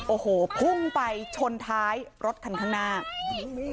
โอ้โหพุ่งไปชนท้ายรถคันข้างหน้า